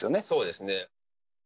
そうですね。